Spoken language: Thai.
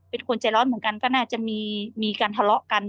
เป็นคนใจร้อนเหมือนกันก็น่าจะมีการทะเลาะกัน